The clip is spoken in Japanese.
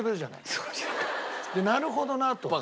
でなるほどなと。